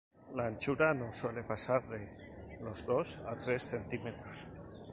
La anchura no suele pasar de los dos a tres centímetros.